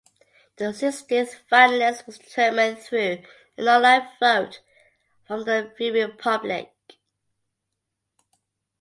The sixteenth finalist was determined through an online vote from the viewing public.